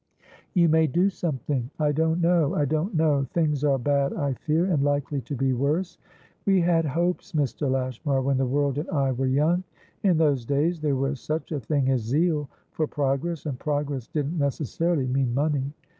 "You may do something; I don't know, I don't know. Things are bad, I fear, and likely to be worse. We had hopes, Mr. Lashmar, when the world and I were young. In those days there was such a thing as zeal for progress and progress didn't necessarily mean money.